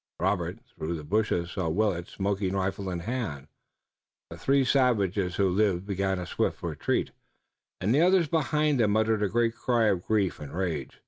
Robert, through the bushes, saw Willet, smoking rifle in hand. The three savages who lived began a swift retreat, and the others behind them uttered a great cry of grief and rage.